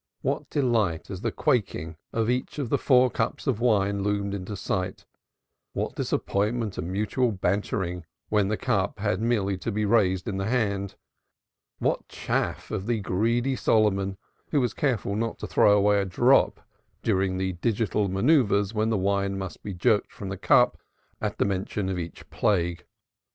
What delight as the quaking of each of the four cups of wine loomed in sight, what disappointment and mutual bantering when the cup had merely to be raised in the hand, what chaff of the greedy Solomon who was careful not to throw away a drop during the digital manoeuvres when the wine must be jerked from the cup at the mention of each plague.